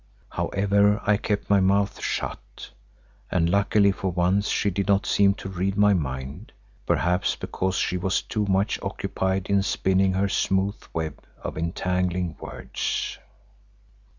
However, I kept my mouth shut, and luckily for once she did not seem to read my mind, perhaps because she was too much occupied in spinning her smooth web of entangling words.)